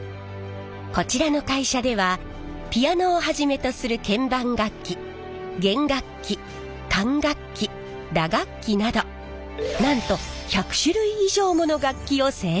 こちらの会社ではピアノをはじめとする鍵盤楽器弦楽器管楽器打楽器などなんと１００種類以上もの楽器を製造。